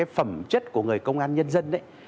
thẩm chất của người công an nhân dân